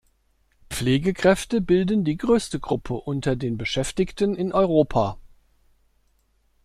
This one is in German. Pflegekräfte bilden die größte Gruppe unter den Beschäftigten in Europa.